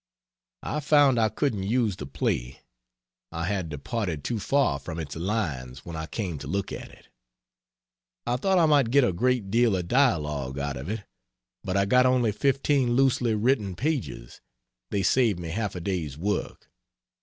I found I couldn't use the play I had departed too far from its lines when I came to look at it. I thought I might get a great deal of dialogue out of it, but I got only 15 loosely written pages they saved me half a days work.